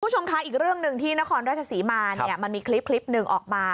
คุณผู้ชมคะอีกเรื่องหนึ่งที่นครราชศรีมาเนี่ยมันมีคลิปหนึ่งออกมา